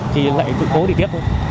thì lại tự cố đi tiếp thôi